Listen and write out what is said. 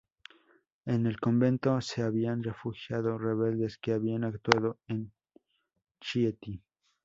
En el convento se habían refugiado rebeldes que habían actuado en Chieti.